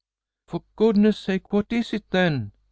"For goodness' sake, what is it, then?"